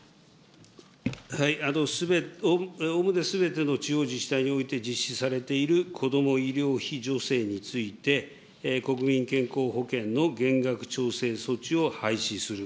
おおむねすべての地方自治体において実施されている子ども医療費助成について、国民健康保険の減額調整措置を廃止する。